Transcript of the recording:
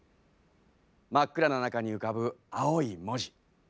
真っ暗な中に浮かぶ青い文字。